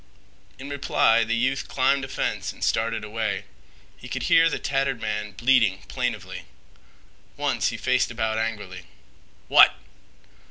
In reply the youth climbed a fence and started away. He could hear the tattered man bleating plaintively. Once he faced about angrily. "What?"